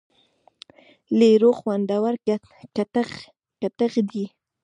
لیړو خوندور کتغ دی.